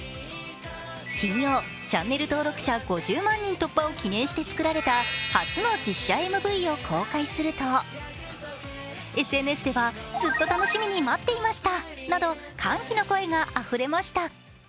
金曜、チャンネル登録者５０万人を突破を記念して作られた初の実写映画Ｖを公開するとＳＮＳでは歓喜の声があふれました。